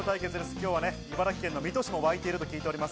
今日は茨城県水戸市も沸いていると聞いています。